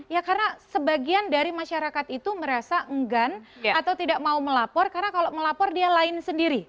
ya karena sebagian dari masyarakat itu merasa enggan atau tidak mau melapor karena kalau melapor dia lain sendiri